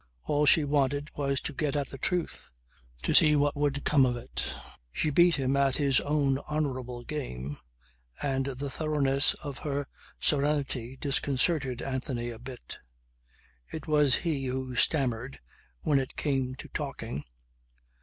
All she wanted was to get at the truth; to see what would come of it. She beat him at his own honourable game and the thoroughness of her serenity disconcerted Anthony a bit. It was he who stammered when it came to talking.